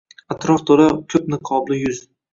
Атроф тўла кўпниқобли юз